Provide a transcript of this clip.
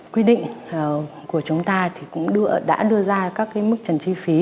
quy định của chúng ta cũng đã đưa ra các mức trần chi phí